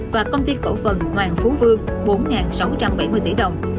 và công ty cổ phần hoàng phú vương bốn sáu trăm bảy mươi tỷ đồng